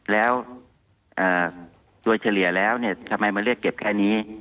แล้วโดยเฉลี่ยแล้วทำไมมาเรียกเก็บแค่นี้